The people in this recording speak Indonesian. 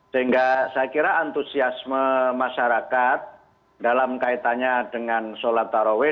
sehingga saya kira antusiasme masyarakat dalam kaitannya dengan sholat taraweh